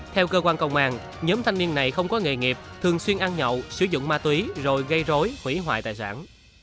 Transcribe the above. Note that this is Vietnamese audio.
theo cơ quan công an nhóm thanh niên này không có nghề nghiệp thường xuyên ăn nhậu sử dụng ma túy rồi gây rối hủy hoại tài sản